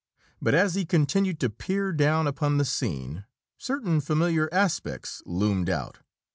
But as he continued to peer down upon the scene, certain familiar aspects loomed out.